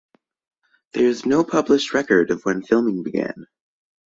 There is no published record of when filming began.